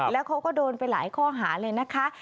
แล้วเขาก็โดนไปหลายข้อหาเลยนะคะ